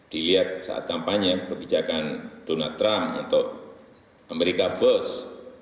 dilihat saat kampanye kebijakan donald trump untuk amerika first